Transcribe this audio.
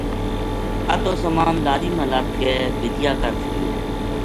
ادھو سامان لاری ما لد کے بِدیا کر چھُڑیو